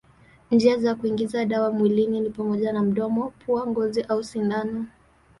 Njia za kuingiza dawa mwilini ni pamoja na mdomo, pua, ngozi au sindano.